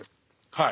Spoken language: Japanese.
はい。